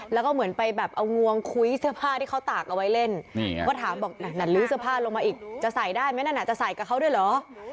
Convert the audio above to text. แล้วก็เหมือนไปแบบเอางวงคุ้ยเสื้อผ้าที่เขาตากเอาไว้เล่นว่าถามบอกนั่นลื้อเสื้อผ้าลงมาอีกจะใส่ได้ไหมนั่นจะใส่กับเขาด้วยเหรอ